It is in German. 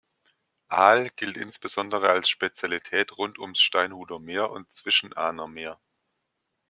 Aal gilt insbesondere als Spezialität rund ums Steinhuder Meer und Zwischenahner Meer.